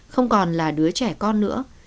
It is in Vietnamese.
không còn là đứa trẻ con nữa